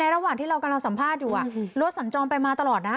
ระหว่างที่เรากำลังสัมภาษณ์อยู่รถสัญจรไปมาตลอดนะ